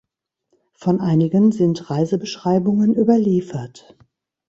Von einigen sind Reisebeschreibungen überliefert.